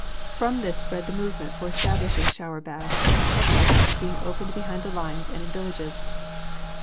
From this spread the movement for establishing shower baths in club houses being opened behind the lines and in villages.